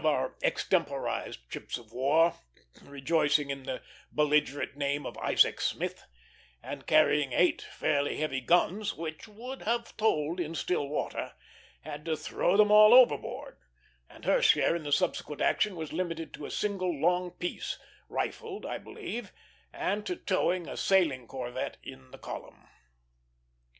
One of our extemporized ships of war, rejoicing in the belligerent name of Isaac Smith, and carrying eight fairly heavy guns, which would have told in still water, had to throw them all overboard; and her share in the subsequent action was limited to a single long piece, rifled I believe, and to towing a sailing corvette in the column.